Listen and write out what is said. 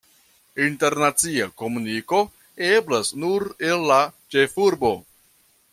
Internacia komuniko eblas nur el la ĉefurbo.